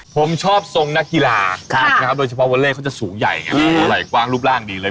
ผมชอบทรงนักกีฬานะครับโดยเฉพาะวอเล่เขาจะสูงใหญ่ไงกว้างรูปร่างดีเลย